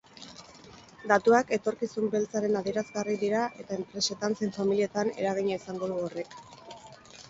Datuak etorkizun beltzaren adierazgarri dira eta enpresetan zein familietan eragina izango du horrek.